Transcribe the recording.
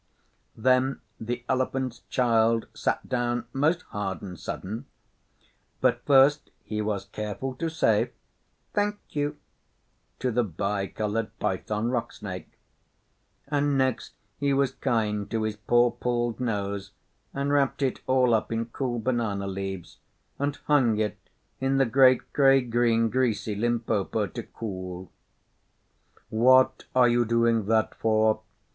Then the Elephant's Child sat down most hard and sudden; but first he was careful to say 'Thank you' to the Bi Coloured Python Rock Snake; and next he was kind to his poor pulled nose, and wrapped it all up in cool banana leaves, and hung it in the great grey green, greasy Limpopo to cool. 'What are you doing that for?